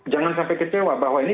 jangan sampai kecewa bahwa ini